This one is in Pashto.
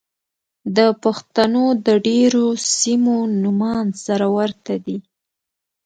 د پښتنو د ډېرو سيمو نومان سره ورته دي.